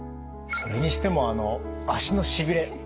それにしても足のしびれ